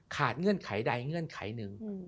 เงื่อนไขใดเงื่อนไขหนึ่ง